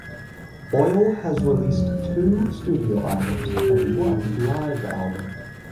Oil has released two studio albums and one live album.